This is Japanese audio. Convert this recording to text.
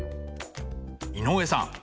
井上さん。